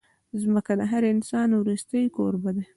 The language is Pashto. ځمکه د هر انسان وروستۍ کوربه ده.